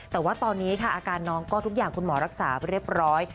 แต่ว่าตอนนี้ค่ะอาการน้องก็ทุกอย่างคุณหมอรักษาเรียบร้อย